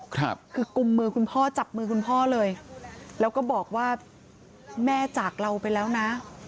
คือกุมมือคุณพ่อจับมือคุณพ่อเลยแล้วก็บอกว่าแม่จากเราไปแล้วนะ